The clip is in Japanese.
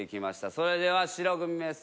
それでは白組です。